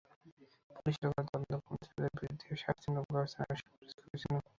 পুলিশের করা তদন্ত কমিটি তাঁদের বিরুদ্ধে শাস্তিমূলক ব্যবস্থা নেওয়ার সুপারিশ করেছিল।